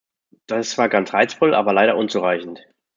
Das ist zwar ganz reizvoll, aber leider unzureichend.